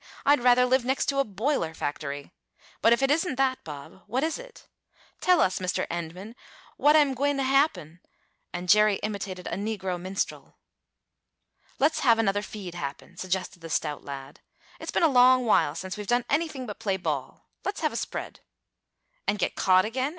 "I'd rather live next to a boiler factory! But if it isn't that, Bob, what is it? Tell us, Mr. Endman, what am gwine t' happen?" and Jerry imitated a negro minstrel. "Let's have another feed happen," suggested the stout lad. "It's been a long while since we've done anything but play ball. Let's have a spread." "And get caught again?"